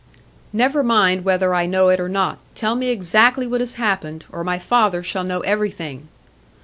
"Never mind whether I know it or not. Tell me exactly what has happened, or my father shall know everything."